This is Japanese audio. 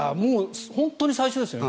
本当に最初ですよね。